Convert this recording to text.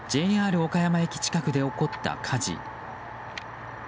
ＪＲ岡山駅近くで起こった火事。